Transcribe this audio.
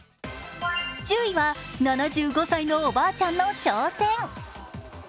１０位は７５歳のおばあちゃんの挑戦。